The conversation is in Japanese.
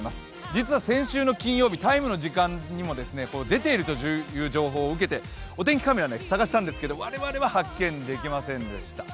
実は先週の金曜日、「ＴＩＭＥ，」の時間にも出ているという情報を得てお天気カメラで探したんですけれども、我々は発見できませんでした。